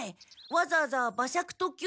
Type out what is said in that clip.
わざわざ馬借特急